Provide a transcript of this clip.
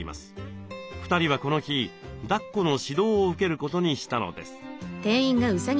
２人はこの日だっこの指導を受けることにしたのです。